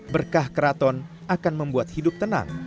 berkah keraton akan membuat hidup tenang